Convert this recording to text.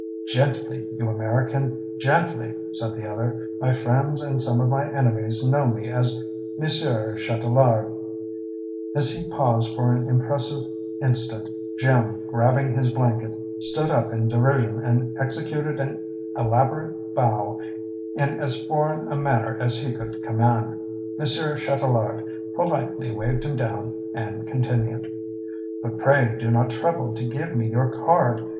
"Gently, you American, gently!" said the other. "My friends, and some of my enemies, know me as Monsieur Chatelard." As he paused for an impressive instant, Jim, grabbing his blanket, stood up in derision and executed an elaborate bow in as foreign a manner as he could command. Monsieur Chatelard politely waved him down and continued: "But pray do not trouble to give me your card!